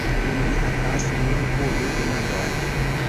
Nun mi havas nur unu demandon.